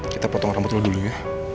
kita potong rambut dulu ya